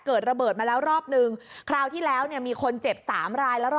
เกิดระเบิดมาแล้วรอบนึงคราวที่แล้วมีคนเจ็บ๓ราย